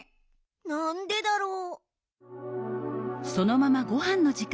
なんでだろう？